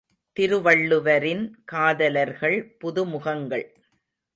திருவள்ளுவரின் காதலர்கள் புதுமுகங்கள்.